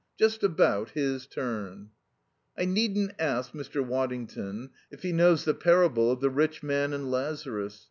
Just about his turn. "I needn't ask Mr. Waddington if he knows the parable of Dives and Lazarus.